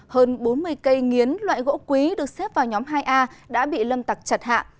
hơn bốn mươi cây nghiến loại gỗ quý được xếp vào nhóm hai a đã bị lâm tặc chặt hạ